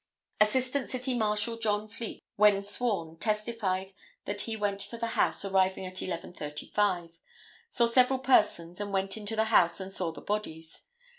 Assistant City Marshal John Fleet, when sworn, testified that he went to the house arriving at 11:35. Saw several persons and went into the house and saw the bodies.